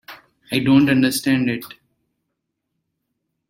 I don't understand it.